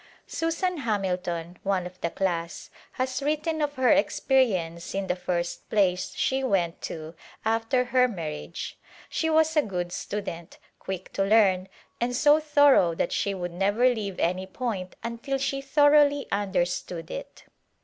Susan Hamilton, one of the class, has written of her experience in the first place she went to after her marriage. She was a good student, quick to learn and so thorough that she would never leave any point until she thoroughly understood it.